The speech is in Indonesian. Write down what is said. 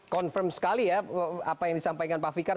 confirm sekali ya apa yang disampaikan pak fikar